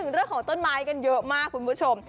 เรื่องของต้นไม้กันเยอะมากคุณผู้ชม